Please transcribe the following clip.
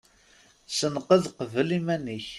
Senqed qbel iman-ik.